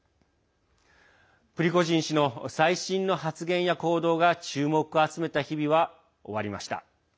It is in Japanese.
プリゴジン氏の最新の発言や行動が注目を集めた日々は終わりました。